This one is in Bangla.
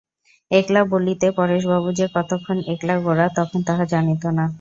একলা বলিতে পরেশবাবু যে কতখানি একলা গোরা তখন তাহা জানিত না।